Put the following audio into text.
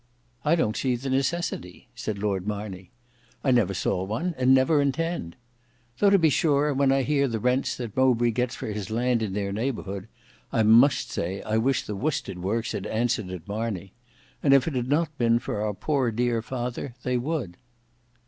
"I don't see the necessity," said Lord Marney; "I never saw one, and never intend. Though to be sure, when I hear the rents that Mowbray gets for his land in their neighbourhood, I must say I wish the worsted works had answered at Marney. And if it had not been for our poor dear father, they would."